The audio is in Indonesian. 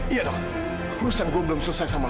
iya dok perusahaan gue belum selesai sama lo